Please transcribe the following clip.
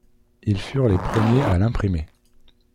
Ils furent les premiers à l'imprimer.